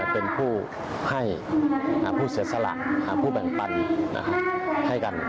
เป็นผู้ให้ผู้เสียสละผู้แบ่งปันให้กัน